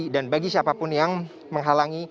dan bagi siapapun yang menghalangi